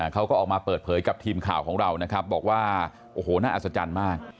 เขาก็ออกมาเปิดเผยกับทีมข่าวของเรานะครับบอกว่าโอ้โหน่าอัศจรรย์มาก